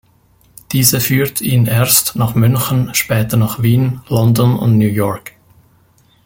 Diese führte ihn erst nach München, später nach Wien, London und New York.